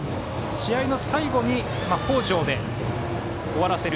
試合の最後に北條で終わらせる。